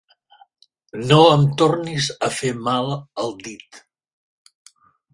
No em tornis a fer mal al dit.